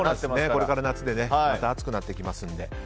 これから夏でまた暑くなってきますので。